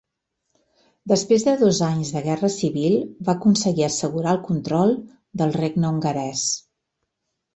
Després de dos anys de guerra civil va aconseguir assegurar el control del regne hongarès.